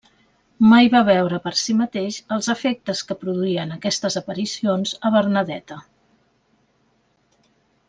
Mai va veure per si mateix els efectes que produïen aquestes aparicions a Bernadeta.